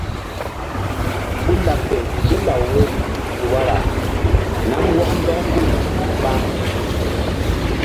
Ku laɓ fe ké law woyri yih wara nam wɔk ndɔk hul ɓa.